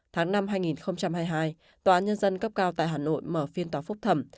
tháng năm hai nghìn hai mươi hai tòa án nhân dân cấp cao tại hà nội mở phiên tòa phúc thẩm